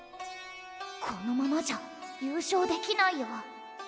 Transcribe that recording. このままじゃ優勝できないよ。